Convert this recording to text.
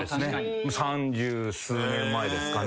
三十数年前ですかね。